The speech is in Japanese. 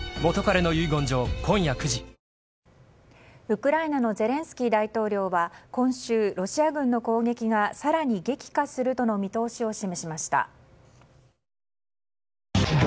ウクライナのゼレンスキー大統領は今週ロシア軍の攻撃が更に激化するとの見通しを示しました。